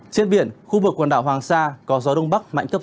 trên biển khu vực quần đảo hoàng sa có gió đông bắc mạnh cấp sáu